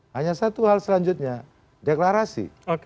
hanya satu hal selanjutnya deklarasi